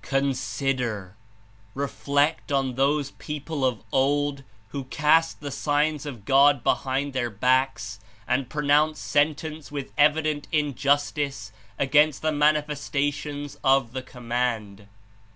"Consider! Reflect on those people of old who cast the Signs of God behind their backs and pro 89 nounced sentence with evident injustice against the Manifestations of the Command.